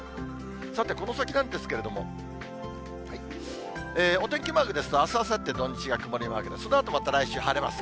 さて、この先なんですけれども、お天気マークですと、あす、あさって、土日が曇りマークで、そのあとまた来週晴れます。